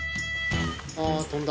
あっ、飛んだ。